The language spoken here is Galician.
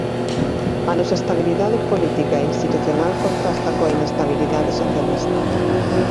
A nosa estabilidade política e institucional contrasta coa inestabilidade socialista.